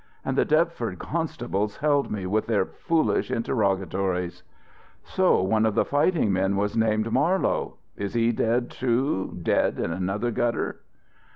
And the Deptford constables held me with their foolish interrogatories " "So one of the fighting men was named Marlowe! Is he dead, too, dead in another gutter?"